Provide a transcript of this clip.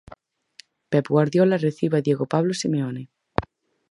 Pep Guardiola recibe a Diego Pablo Simeone.